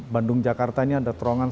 bandung jakarta ini ada terowongan